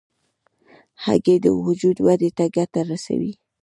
هګۍ د وجود ودې ته ګټه رسوي.